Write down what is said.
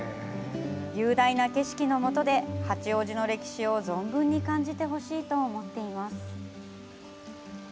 雄大な景色のもとで八王子の歴史を存分に感じてほしいと思っています。